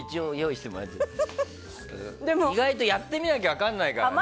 意外とやってみなきゃ分からないからね。